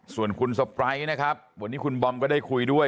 ส่วนคุณสปร้ายนะครับวันนี้คุณบอมก็ได้คุยด้วย